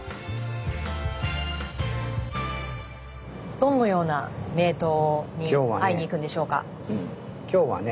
どのような名刀に会いに行くんでしょうか？